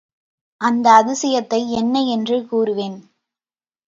அந்த அதிசயத்தை என்ன என்று கூறுவேன்.